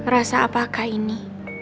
rasa apakah ini